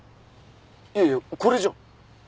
いやいやこれじゃん。